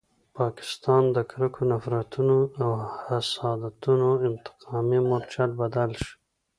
پاکستان د کرکو، نفرتونو او حسادتونو انتقامي مورچل بدل شو.